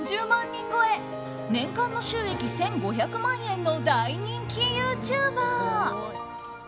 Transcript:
人超え年間の収益１５００万円の大人気ユーチューバー。